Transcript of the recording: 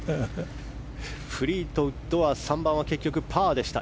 フリートウッドは３番結局パーでした。